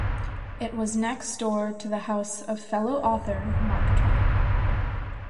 It was next door to the house of fellow author Mark Twain.